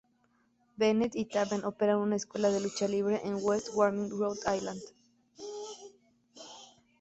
Bennett y Taven operan una escuela de lucha libre en West Warwick, Rhode Island.